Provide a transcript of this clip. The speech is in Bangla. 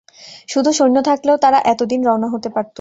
শুধু সৈন্য থাকলেও তারা এতদিন রওনা হতে পারত।